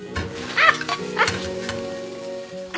あっ。